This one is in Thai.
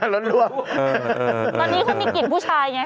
ตอนนี้เขามีกลิ่นผู้ชายไง